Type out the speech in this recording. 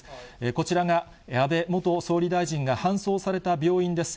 こちらが、安倍元総理大臣が搬送された病院です。